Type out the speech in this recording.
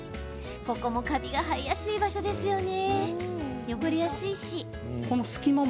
ここもカビが生えやすい場所ですよね。